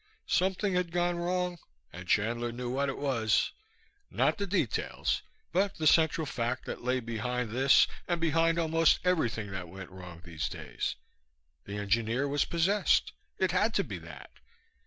Something had gone wrong, and Chandler knew what it was. Not the details, but the central fact that lay behind this and behind almost everything that went wrong these days. The engineer was possessed. It had to be that.